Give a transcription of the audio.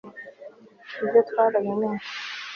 ibyo twarabimenye